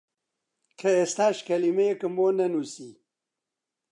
کە ئێستاش کەلیمەیەکم بۆ نەنووسی!